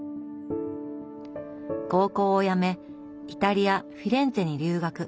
高校をやめイタリアフィレンツェに留学。